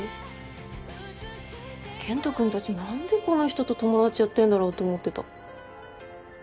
健人君たち何でこの人と友達やってんだろうと思ってた。